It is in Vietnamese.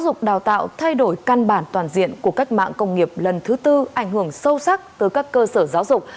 dục đào tạo thay đổi căn bản toàn diện của cách mạng công nghiệp lần thứ tư ảnh hưởng sâu sắc tới các cơ sở giáo dục